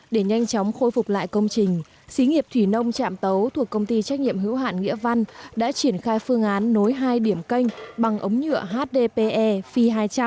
để nhanh chóng khôi phục lại công trình xí nghiệp thủy nông trạm tấu thuộc công ty trách nhiệm hữu hạn nghĩa văn đã triển khai phương án nối hai điểm canh bằng ống nhựa hdpe phi hai trăm linh